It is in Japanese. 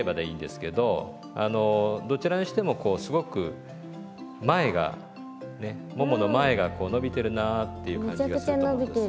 あのどちらにしてもこうすごく前がねももの前がこう伸びてるなっていう感じがすると思うんです。